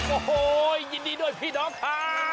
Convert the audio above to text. โอ้โหยินดีด้วยพี่น้องค่ะ